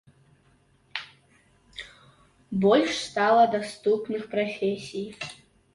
Больш стала даступных прафесій.